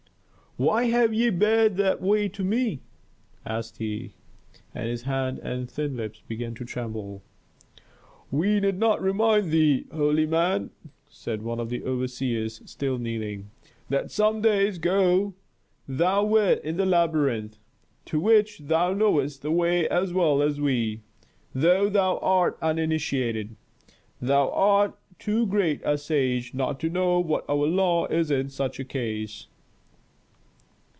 "Why have ye barred the way to me?" asked he, and his hand and thin lips began to tremble. "We need not remind thee, holy man," said one of the overseers still kneeling, "that some days ago thou wert in the labyrinth, to which thou knowest the way as well as we, though thou art uninitiated. Thou art too great a sage not to know what our law is in such a case."